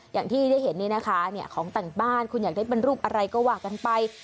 อย่างที่ได้เห็นนี่นะคะของแต่งบ้านคุณอยากได้เป็นรูปอะไรก็ว่ากันไป